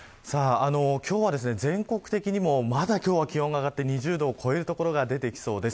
今日は全国的にもまだ気温が上がって２０度を超える所が出てきそうです。